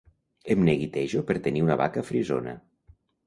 Em neguitejo per tenir una vaca frisona.